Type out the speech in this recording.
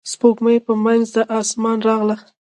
سپوږمۍ په منځ د اسمان راغله.